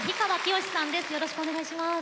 よろしくお願いします。